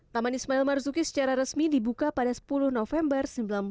taman ismail marzuki secara resmi dibuka pada sepuluh november seribu sembilan ratus empat puluh